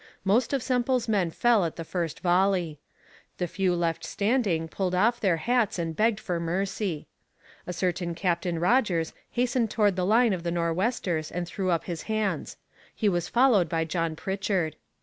Most of Semple's men fell at the first volley. The few left standing pulled off their hats and begged for mercy. A certain Captain Rogers hastened towards the line of the Nor'westers and threw up his hands. He was followed by John Pritchard.